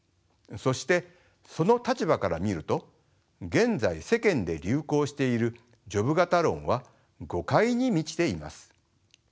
そしてその立場から見ると現在世間で流行しているジョブ型論は誤解に満ちています。